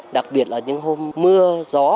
đặc biệt là những hôm mưa gió